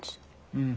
うん。